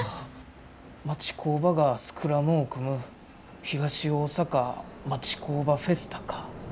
「町工場がスクラムを組む東大阪町工場フェスタ」か。